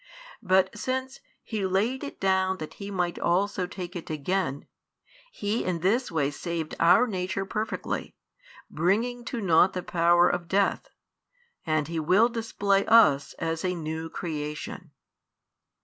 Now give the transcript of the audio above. But since He laid it down that He might also take it again, He in this way saved our nature perfectly, bringing to naught the power of death; and He will display us as a new creation.